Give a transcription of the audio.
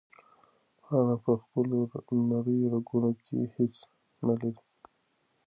پاڼه په خپلو نریو رګونو کې هیڅ نه لري.